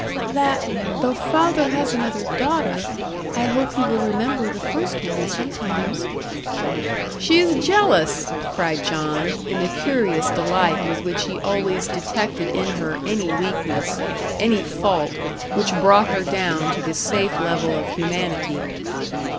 "That though father has another daughter, I hope he will remember the first one sometimes." "She is jealous!" cried John, in the curious delight with which he always detected in her any weakness, any fault, which brought her down to the safe level of humanity.